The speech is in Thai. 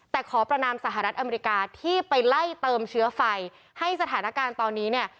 แต่ขอประนามสหรัฐอเมริกาที่ไปไล่เติมเชื้อไฟให้สถานการณ์ตอนนี้เนี่ย